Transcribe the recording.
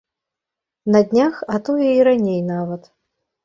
На днях, а тое і раней нават!